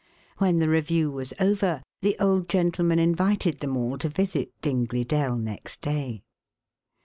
When the review was over the old gentleman invited them all to visit Dingley Dell next day.